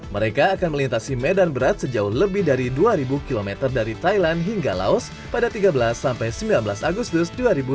mereka akan melintasi medan berat sejauh lebih dari dua ribu km dari thailand hingga laos pada tiga belas sembilan belas agustus dua ribu dua puluh